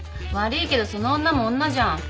悪いけどその女も女じゃん。